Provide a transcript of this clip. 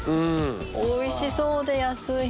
おいしそうで安い。